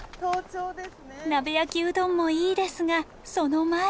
鍋焼きうどんもいいですがその前に。